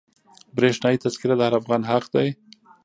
برښنایي تذکره د هر افغان حق دی.